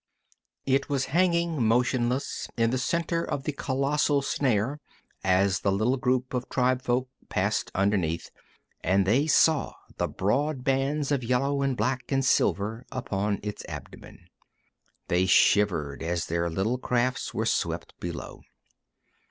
It was hanging motionless in the center of the colossal snare as the little group of tribefolk passed underneath, and they saw the broad bands of yellow and black and silver upon its abdomen. They shivered as their little crafts were swept below.